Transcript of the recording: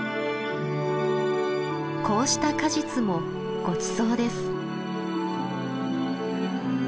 こうした果実もごちそうです。